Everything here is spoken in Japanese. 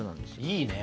いいね。